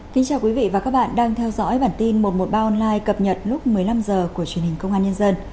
xin chào quý vị và các bạn đang theo dõi bản tin một trăm một mươi ba online cập nhật lúc một mươi năm h của truyền hình công an nhân dân